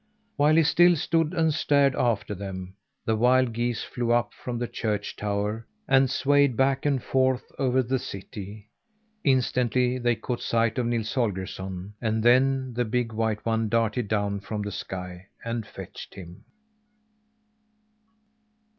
While he still stood and stared after them, the wild geese flew up from the church tower, and swayed back and forth over the city. Instantly they caught sight of Nils Holgersson; and then the big white one darted down from the sky and fetched him.